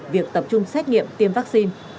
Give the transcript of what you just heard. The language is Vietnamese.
việc tập trung xét nghiệm tiêm vaccine